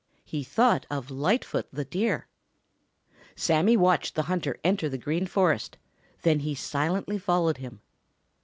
He thought of Lightfoot the Deer. Sammy watched the hunter enter the Green Forest, then he silently followed him.